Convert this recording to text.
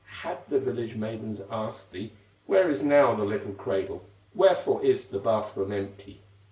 Had the village maidens asked thee: 'Where is now the little cradle, Wherefore is the bath room empty?